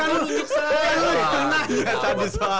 kan lu yang nanya tadi soalnya